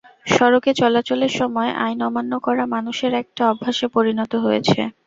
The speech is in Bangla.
সড়কে চলাচলের সময় আইন অমান্য করা মানুষের একটা অভ্যাসে পরিণত হয়েছে।